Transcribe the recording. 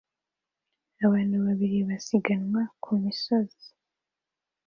abantu babiri basiganwa ku misozi